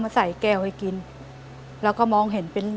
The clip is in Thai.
อเรนนี่นี่คือเหตุการณ์เริ่มต้นหลอนช่วงแรกแล้วมีอะไรอีก